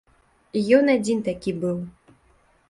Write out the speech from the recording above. Ён адзін такі быў.